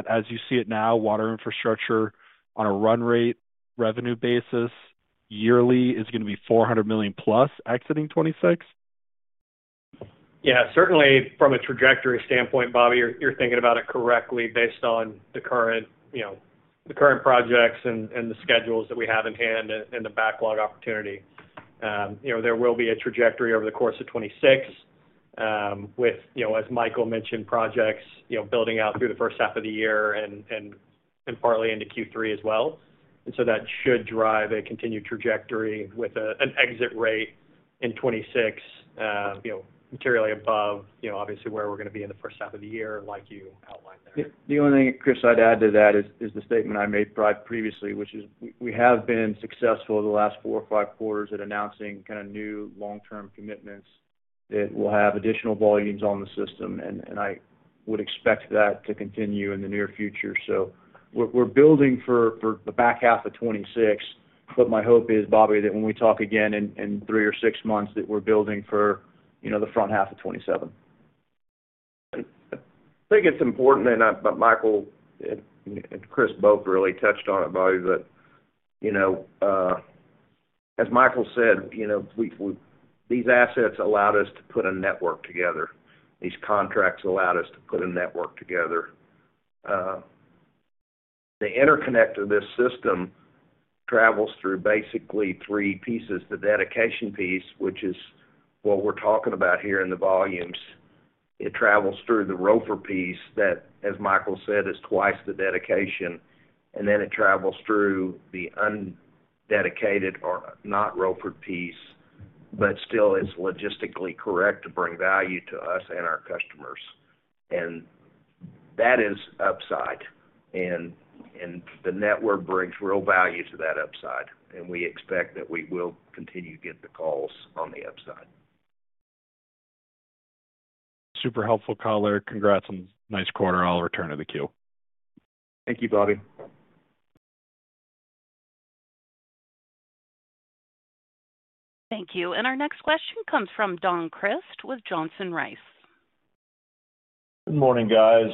as you see it now, water infrastructure on a run rate revenue basis yearly is going to be $400+ million exiting 2026? Yeah, certainly from a trajectory standpoint, Bobby, you're thinking about it correctly based on the current projects and the schedules that we have in hand and the backlog opportunity. There will be a trajectory over the course of 2026, with, as Michael mentioned, projects building out through the first half of the year and partly into Q3 as well. That should drive a continued trajectory with an exit rate in 2026 materially above, obviously, where we're going to be in the first half of the year, like you outlined there. The only thing, Chris, I'd add to that is the statement I made previously, which is we have been successful the last four or five quarters at announcing kind of new long-term commitments that will have additional volumes on the system. I would expect that to continue in the near future. We're building for the back half of 2026, but my hope is, Bobby, that when we talk again in three or six months, we're building for, you know, the front half of 2027. I think it's important, and Michael and Chris both really touched on it, Bobby, but you know, as Michael said, these assets allowed us to put a network together. These contracts allowed us to put a network together. The interconnect of this system travels through basically three pieces. The dedication piece, which is what we're talking about here in the volumes, it travels through the roofer piece that, as Michael said, is twice the dedication. It travels through the undedicated or not roofered piece, but still is logistically correct to bring value to us and our customers. That is upside, and the network brings real value to that upside. We expect that we will continue to get the calls on the upside. Super helpful. Congrats and nice quarter. I'll return to the queue. Thank you, Bobby. Thank you. Our next question comes from Don Crist with Johnson Rice. Good morning, guys.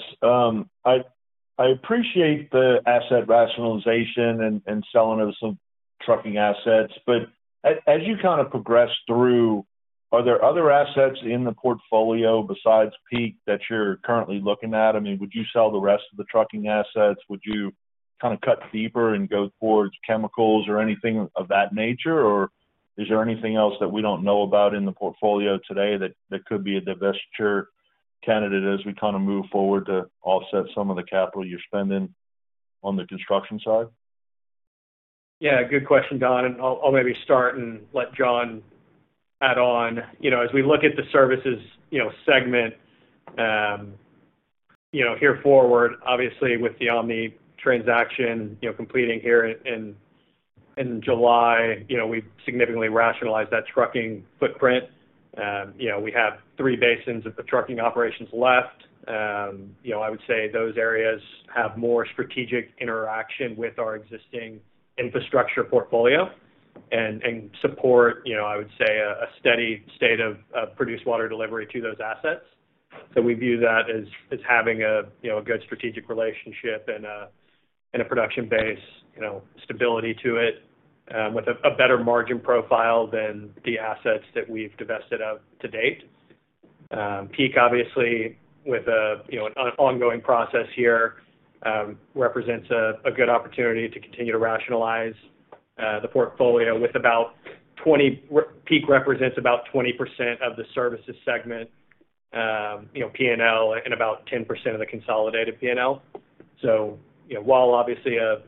I appreciate the asset rationalization and selling of some trucking assets, but as you kind of progress through, are there other assets in the portfolio besides Peak that you're currently looking at? I mean, would you sell the rest of the trucking assets? Would you kind of cut deeper and go towards chemical technologies or anything of that nature? Is there anything else that we don't know about in the portfolio today that could be a divestiture candidate as we kind of move forward to offset some of the capital you're spending on the construction side? Yeah, good question, Don. I'll maybe start and let John add on. As we look at the services segment here forward, obviously with the OMNI transaction completing here in July, we've significantly rationalized that trucking footprint. We have three basins of the trucking operations left. I would say those areas have more strategic interaction with our existing infrastructure portfolio and support a steady state of produced water delivery to those assets. We view that as having a good strategic relationship and a production base stability to it with a better margin profile than the assets that we've divested out to date. Peak, obviously, with an ongoing process here, represents a good opportunity to continue to rationalize the portfolio with about 20%. Peak represents about 20% of the services segment P&L and about 10% of the consolidated P&L. While obviously a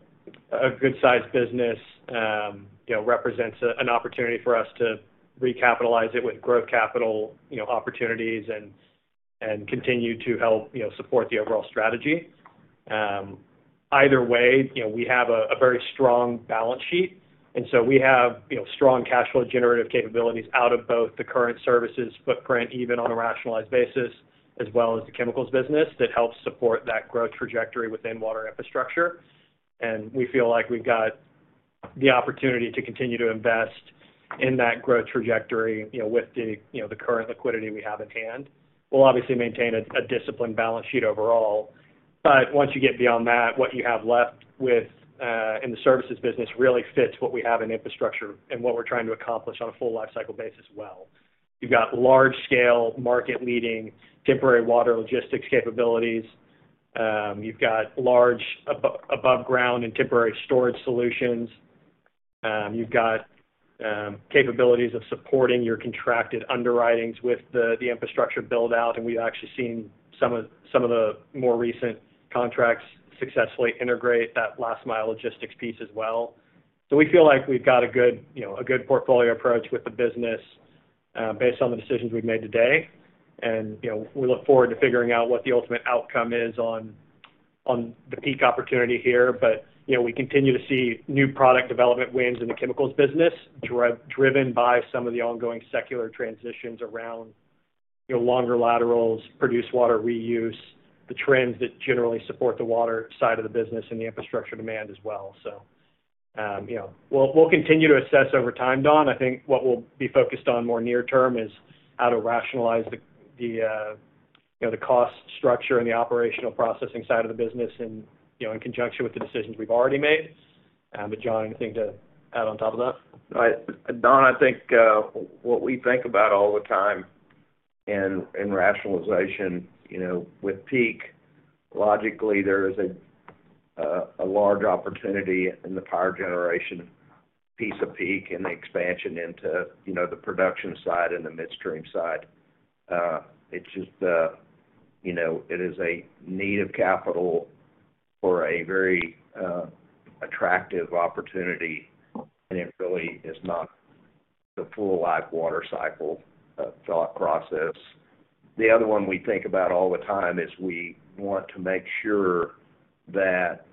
good sized business, it represents an opportunity for us to recapitalize it with growth capital opportunities and continue to help support the overall strategy. Either way, we have a very strong balance sheet. We have strong cash flow generative capabilities out of both the current services footprint, even on a rationalized basis, as well as the chemicals business that helps support that growth trajectory within water infrastructure. We feel like we've got the opportunity to continue to invest in that growth trajectory with the current liquidity we have in hand. We'll obviously maintain a disciplined balance sheet overall. Once you get beyond that, what you have left with in the services business really fits what we have in infrastructure and what we're trying to accomplish on a full lifecycle basis as well. You've got large-scale market-leading temporary water logistics capabilities. You've got large above-ground and temporary storage solutions. You've got capabilities of supporting your contracted underwritings with the infrastructure build-out. We've actually seen some of the more recent contracts successfully integrate that last-mile logistics piece as well. We feel like we've got a good portfolio approach with the business based on the decisions we've made today. We look forward to figuring out what the ultimate outcome is on the Peak opportunity here. We continue to see new product development wins in the chemicals business, driven by some of the ongoing secular transitions around longer laterals, produced water reuse, the trends that generally support the water side of the business and the infrastructure demand as well. We will continue to assess over time, Don. I think what we'll be focused on more near-term is how to rationalize the cost structure and the operational processing side of the business in conjunction with the decisions we've already made. John, anything to add on top of that? No, Don, I think what we think about all the time in rationalization, you know, with Peak, logically, there is a large opportunity in the power generation piece of Peak and the expansion into, you know, the production side and the midstream side. It's just, you know, it is a need of capital for a very attractive opportunity. It really is not the full life water cycle thought process. The other one we think about all the time is we want to make sure that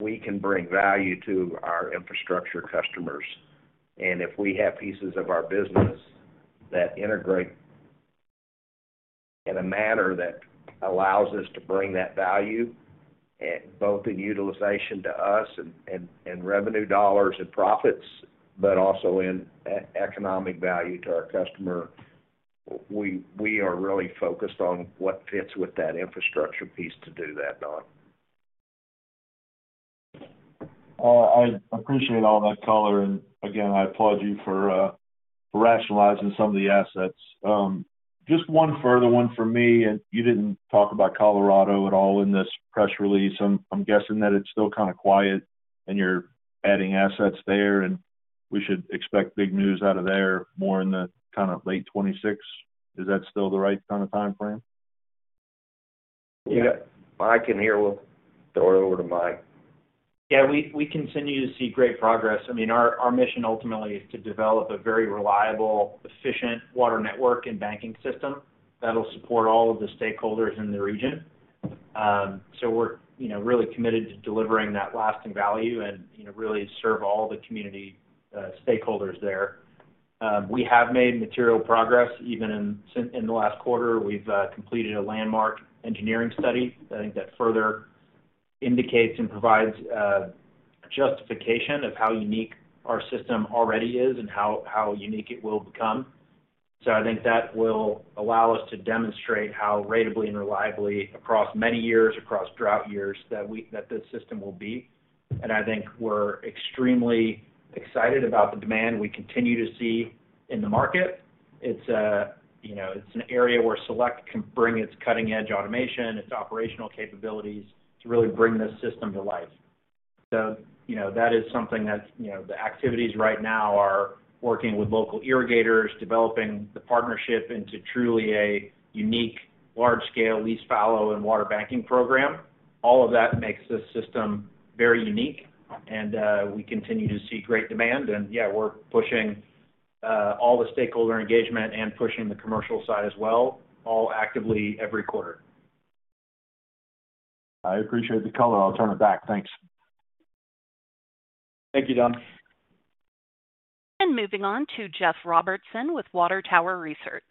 we can bring value to our infrastructure customers. If we have pieces of our business that integrate in a manner that allows us to bring that value, both in utilization to us and revenue dollars and profits, but also in economic value to our customer, we are really focused on what fits with that infrastructure piece to do that, Don. I appreciate all that, color. I applaud you for rationalizing some of the assets. Just one further one for me, you didn't talk about Colorado at all in this press release. I'm guessing that it's still kind of quiet and you're adding assets there. We should expect big news out of there more in the kind of late 2026. Is that still the right kind of timeframe? Yeah, I can hand over to Mike. Yeah, we continue to see great progress. I mean, our mission ultimately is to develop a very reliable, efficient water network and banking system that'll support all of the stakeholders in the region. We're really committed to delivering that lasting value and really serve all the community stakeholders there. We have made material progress. Even in the last quarter, we've completed a landmark engineering study. I think that further indicates and provides a justification of how unique our system already is and how unique it will become. I think that will allow us to demonstrate how rateably and reliably across many years, across drought years, that the system will be. I think we're extremely excited about the demand we continue to see in the market. It's an area where Select Water Solutions can bring its cutting-edge automation, its operational capabilities to really bring this system to life. That is something that the activities right now are working with local irrigators, developing the partnership into truly a unique large-scale lease fallow and water banking program. All of that makes this system very unique. We continue to see great demand. Yeah, we're pushing all the stakeholder engagement and pushing the commercial side as well, all actively every quarter. I appreciate the color. I'll turn it back. Thanks. Thank you, Don. Moving on to Jeff Robertson with Water Tower Research.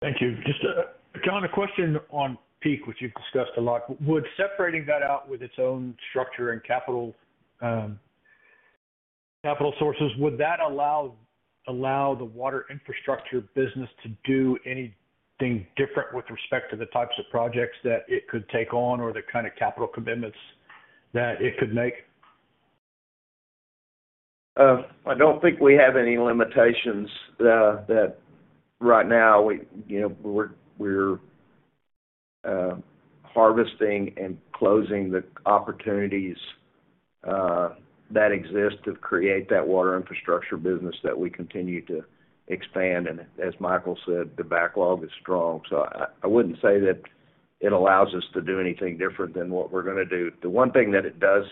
Thank you. Just a kind of question on Peak, which you've discussed a lot. Would separating that out with its own structure and capital sources allow the water infrastructure business to do anything different with respect to the types of projects that it could take on or the kind of capital commitments that it could make? I don't think we have any limitations. Right now, we're harvesting and closing the opportunities that exist to create that water infrastructure business that we continue to expand. As Michael said, the backlog is strong. I wouldn't say that it allows us to do anything different than what we're going to do. The one thing that it does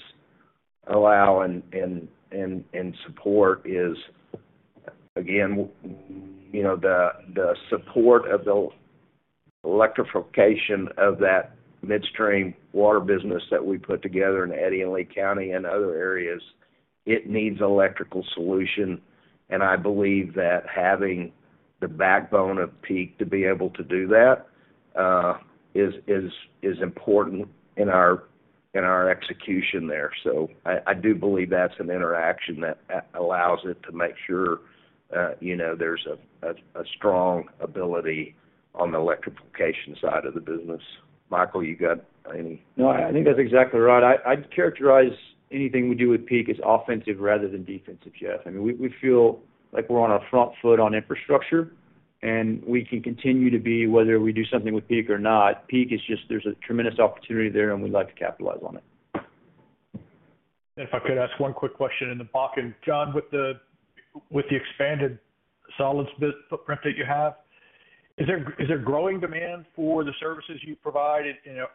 allow and support is, again, the support of the electrification of that midstream water business that we put together in Eddy and Lea County and other areas. It needs electrical solution. I believe that having the backbone of Peak to be able to do that is important in our execution there. I do believe that's an interaction that allows it to make sure there's a strong ability on the electrification side of the business. Michael, you got any? No, I think that's exactly right. I'd characterize anything we do with Peak as offensive rather than defensive, Jeff. I mean, we feel like we're on our front foot on infrastructure, and we can continue to be, whether we do something with Peak or not. Peak is just, there's a tremendous opportunity there, and we'd like to capitalize on it. If I could ask one quick question in the back, John, with the expanded solids footprint that you have, is there growing demand for the services you provide?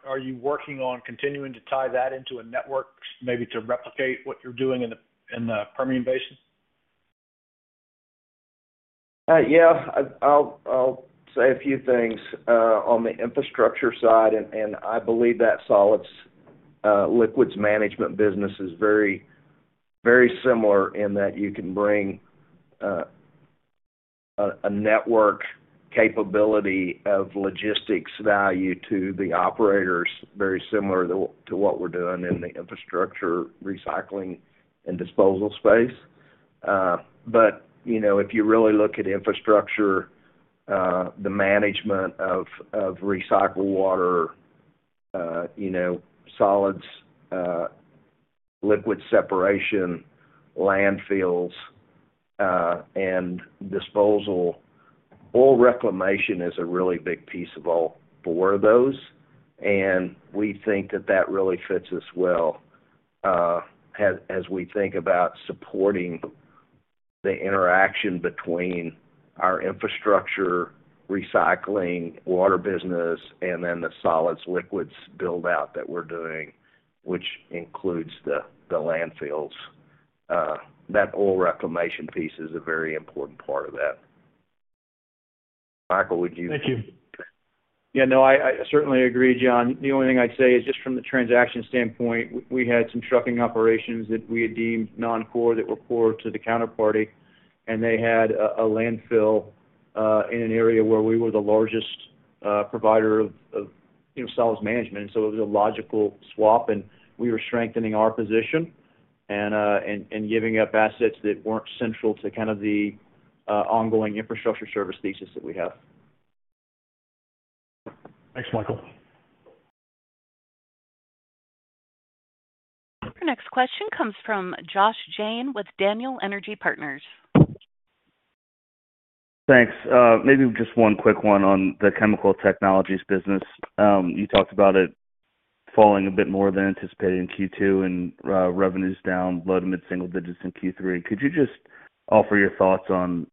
Are you working on continuing to tie that into a network, maybe to replicate what you're doing in the Permian Basin? I'll say a few things on the infrastructure side. I believe that solids liquids management business is very, very similar in that you can bring a network capability of logistics value to the operators, very similar to what we're doing in the infrastructure recycling and disposal space. If you really look at infrastructure, the management of recycled water, solids, liquid separation, landfills, and disposal, pool reclamation is a really big piece of all four of those. We think that that really fits us well as we think about supporting the interaction between our infrastructure recycling water business and then the solids liquids build-out that we're doing, which includes the landfills. That pool reclamation piece is a very important part of that. Michael, would you? Thank you. Yeah, no, I certainly agree, John. The only thing I'd say is just from the transaction standpoint, we had some trucking operations that we had deemed non-core that were core to the counterparty. They had a landfill in an area where we were the largest provider of solids management, so it was a logical swap. We were strengthening our position and giving up assets that weren't central to the ongoing infrastructure service thesis that we have. Thanks, Michael. Our next question comes from Josh Jane with Daniel Energy Partners. Thanks. Maybe just one quick one on the chemical technologies business. You talked about it falling a bit more than anticipated in Q2, and revenues down low to mid-single digits in Q3. Could you just offer your thoughts on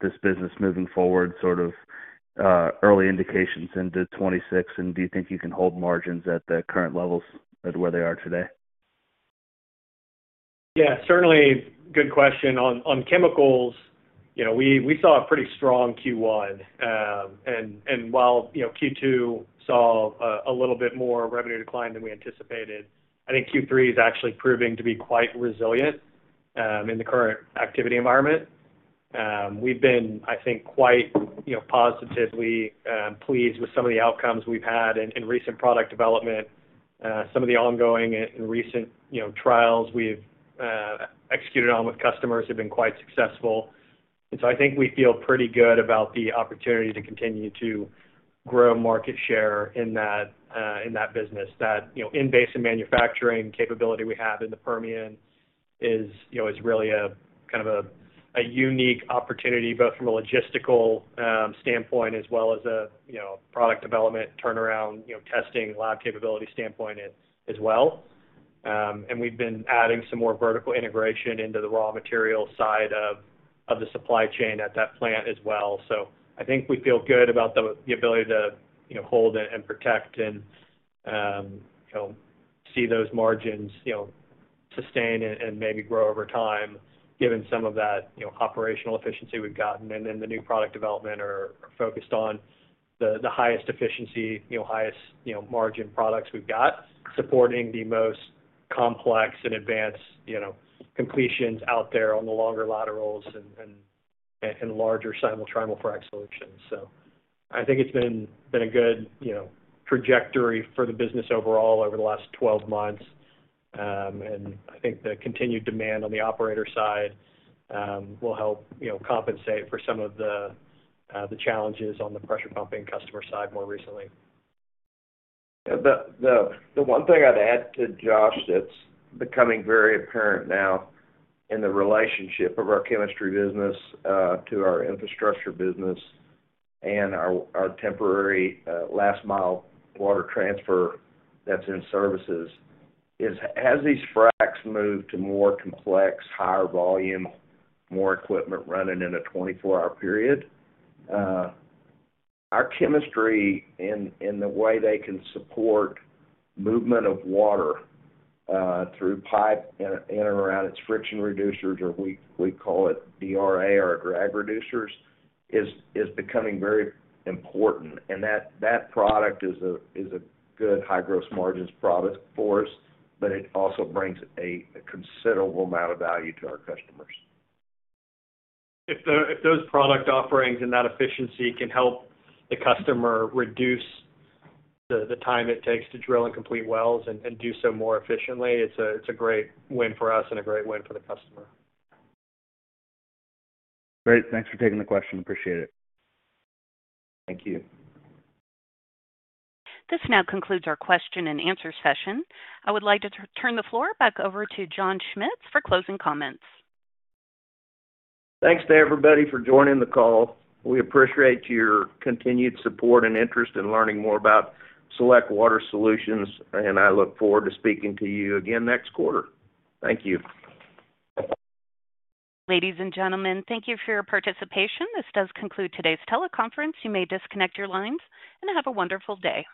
this business moving forward, sort of early indications into 2026, and do you think you can hold margins at the current levels at where they are today? Yeah, certainly good question. On chemicals, you know, we saw a pretty strong Q1. While Q2 saw a little bit more revenue decline than we anticipated, I think Q3 is actually proving to be quite resilient in the current activity environment. We've been, I think, quite positively pleased with some of the outcomes we've had in recent product development. Some of the ongoing and recent trials we've executed on with customers have been quite successful. I think we feel pretty good about the opportunity to continue to grow market share in that business. That in-basin manufacturing capability we have in the Permian is really a kind of a unique opportunity, both from a logistical standpoint as well as a product development, turnaround, testing, lab capability standpoint as well. We've been adding some more vertical integration into the raw material side of the supply chain at that plant as well. I think we feel good about the ability to hold and protect and see those margins sustain and maybe grow over time, given some of that operational efficiency we've gotten. The new product development is focused on the highest efficiency, highest margin products we've got, supporting the most complex and advanced completions out there on the longer laterals and larger simultrimal frac solutions. I think it's been a good trajectory for the business overall over the last 12 months. I think the continued demand on the operator side will help compensate for some of the challenges on the pressure pumping customer side more recently. The one thing I'd add to Josh that's becoming very apparent now in the relationship of our chemical technologies business to our water infrastructure business and our temporary last-mile water transfer that's in water services is, as these fracs move to more complex, higher volume, more equipment running in a 24-hour period, our chemical technologies and the way they can support movement of water through pipe and around its friction reducers, or we call it DRA or drag reducers, is becoming very important. That product is a good high gross margin product for us, but it also brings a considerable amount of value to our customers. If those product offerings and that efficiency can help the customer reduce the time it takes to drill and complete wells and do so more efficiently, it's a great win for us and a great win for the customer. Great. Thanks for taking the question. Appreciate it. Thank you. This now concludes our question and answer session. I would like to turn the floor back over to John Schmitz for closing comments. Thanks to everybody for joining the call. We appreciate your continued support and interest in learning more about Select Water Solutions, and I look forward to speaking to you again next quarter. Thank you. Ladies and gentlemen, thank you for your participation. This does conclude today's teleconference. You may disconnect your lines and have a wonderful day.